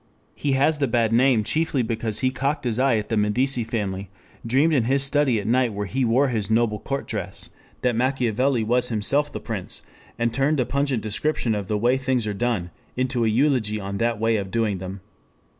He has the bad name chiefly because he cocked his eye at the Medici family, dreamed in his study at night where he wore his "noble court dress" that Machiavelli was himself the Prince, and turned a pungent description of the way things are done into an eulogy on that way of doing them.